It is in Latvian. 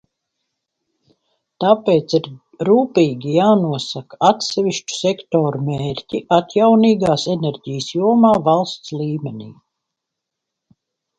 Tāpēc ir rūpīgi jānosaka atsevišķu sektoru mērķi atjaunīgās enerģijas jomā valsts līmenī.